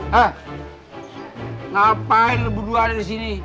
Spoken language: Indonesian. hah ngapain berdua ada di sini